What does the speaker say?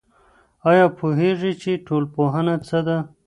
آيا پوهېږئ چي ټولنپوهنه څه ده؟